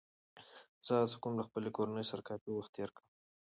زه هڅه کوم له خپلې کورنۍ سره کافي وخت تېر کړم